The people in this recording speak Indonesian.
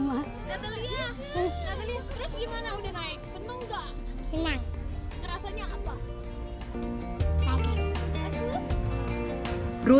nathalia terus gimana sudah naik senang nggak